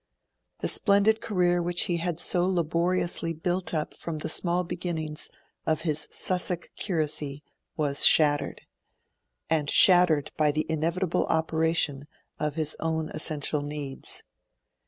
The splendid career which he had so laboriously built up from the small beginnings of his Sussex curacy was shattered and shattered by the inevitable operation of his own essential needs.